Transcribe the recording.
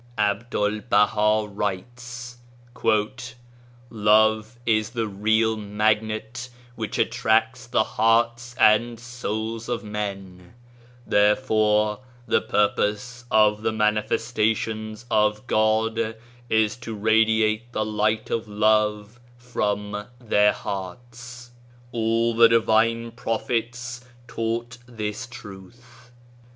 AbdulBaha writes :" Love is the real magnet which attracts the hearts and souls of men, there fore the purpose of the Manifestations of God is to radiate the light of Love from their hearts. All the divine Prophets taught this truth